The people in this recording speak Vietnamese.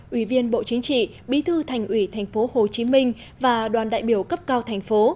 ủy viên bộ chính trị bí thư thành ủy tp hcm và đoàn đại biểu cấp cao thành phố